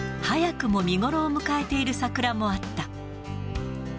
早くも見頃を迎えている桜もあった。